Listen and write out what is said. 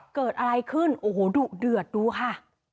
เกิดอะไรขึ้นโอ้โหดุเดือดดูค่ะ